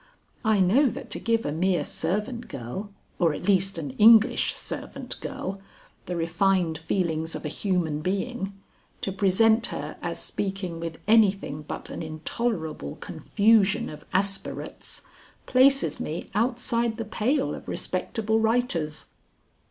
I know that to give a mere servant girl, or at least an English servant girl, the refined feelings of a human being, to present her as speaking with anything but an intolerable confusion of aspirates, places me outside the pale of respectable writers.